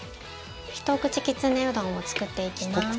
ひと口きつねうどんを作っていきます。